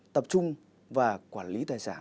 tập trung và quản lý tài sản